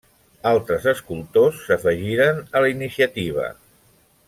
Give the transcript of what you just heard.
Altres escultors s'afegiren a la iniciativa.